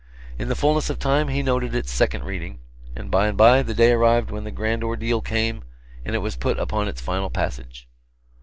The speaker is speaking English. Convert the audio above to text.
In the fullness of time he noted its second reading, and by and by the day arrived when the grand ordeal came, and it was put upon its final passage.